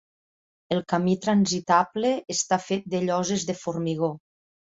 El camí transitable està fet de lloses de formigó.